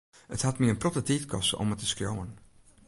It hat my in protte tiid koste om it te skriuwen.